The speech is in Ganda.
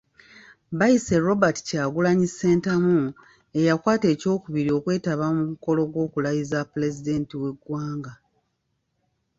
Bayise Robert Kyagulanyi Ssentamu eyakwata ekyokubiri okwetaba ku mukolo gw'okulayiza Pulezidenti w'eggwanga.